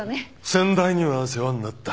先代には世話になった。